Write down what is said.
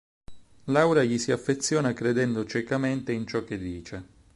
Laura gli si affeziona credendo ciecamente in ciò che dice.